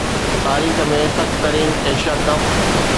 تاريخ ۾ سخت ترين ايشيا ڪپ